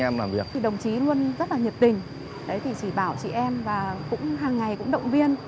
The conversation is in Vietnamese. em làm việc thì đồng chí luôn rất là nhiệt tình thì chỉ bảo chị em và cũng hàng ngày cũng động viên